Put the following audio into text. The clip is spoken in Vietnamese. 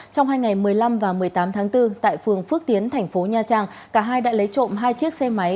trong hai ngày một mươi năm và một mươi tám tháng bốn tại phường phước tiến thành phố nha trang cả hai đã lấy trộm hai chiếc xe máy